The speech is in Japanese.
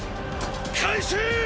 開始！！